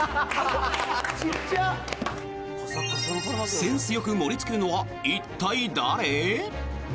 センスよく盛りつけるのは一体、誰？